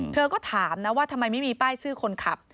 เธอก็ถามนะว่าทำไมไม่มีป้ายชื่อคนขับ